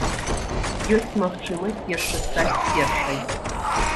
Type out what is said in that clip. Ёсць магчымасць яшчэ стаць першай.